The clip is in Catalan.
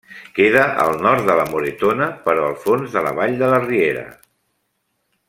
Queda al nord de la Moretona, però al fons de la vall de la riera.